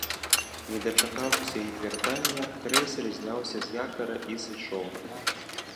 Не дачакаўшыся іх вяртання, крэйсер зняўся з якара і сышоў.